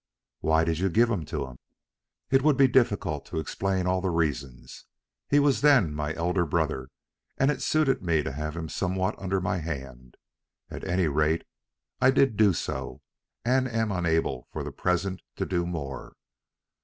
"Why did you give 'em to him?" "It would be difficult to explain all the reasons. He was then my elder brother, and it suited me to have him somewhat under my hand. At any rate I did do so, and am unable for the present to do more.